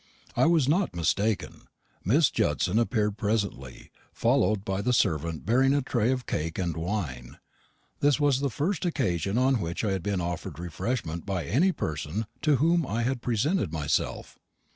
I was not mistaken. Miss Judson appeared presently, followed by the servant bearing a tray of cake and wine. This was the first occasion on which I had been offered refreshment by any person to whom I had presented myself.